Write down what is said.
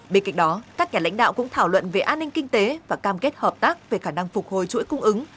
bên cạnh đó các nhà lãnh đạo cũng thảo luận về an ninh kinh tế và cam kết hợp tác về khả năng phục hồi chuỗi cung ứng